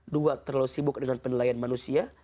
dua terlalu sibuk dengan penilaian manusia